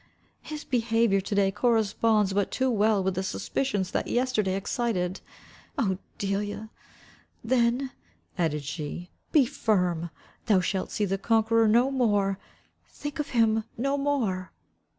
His behaviour today corresponds but too well with the suspicions that yesterday excited. Oh, Delia! then," added she, "be firm. Thou shalt see the conqueror no more. Think of him no more."